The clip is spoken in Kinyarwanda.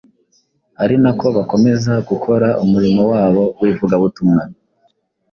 ari nako bakomeza gukora umurimo wabo w’ivugabutumwa.